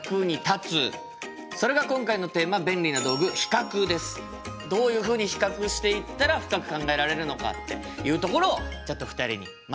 それが今回のテーマどういうふうに比較していったら深く考えられるのかっていうところをちょっと２人に学んでいただきたいと思います。